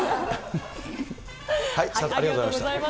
ありがとうございます。